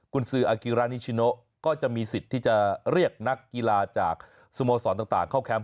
คุณซื้ออากิรานิชิโนก็จะมีสิทธิ์ที่จะเรียกนักกีฬาจากสโมสรต่างเข้าแคมป